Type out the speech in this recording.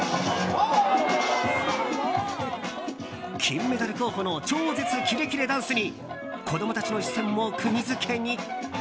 金メダル候補の超絶キレキレダンスに子供たちの視線も釘付けに。